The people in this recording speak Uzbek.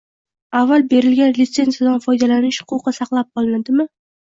avval berilgan litsenziyadan foydalanish huquqi saqlanib qolinadimi?